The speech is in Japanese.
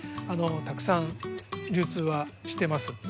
たくさん流通はしてます。